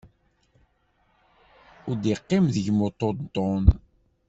Ur d-iqqim deg-m uṭenṭun.